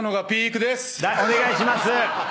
お願いします。